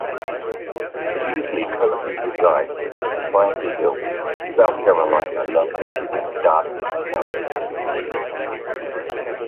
Beasley currently resides in Society Hill, South Carolina, located in Darlington County.